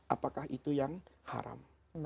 apakah itu yang haram